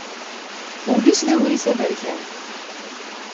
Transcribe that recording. Ul-is d agris aberkan.